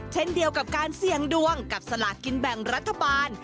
เช่นเดียวกับการเสี่ยงดวงกับสลากินแบ่งรัฐบาล